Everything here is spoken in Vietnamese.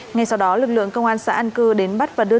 ngay sau đó lực lượng công an xã an cư đến bắt và đưa